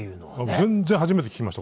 全然初めて知りました。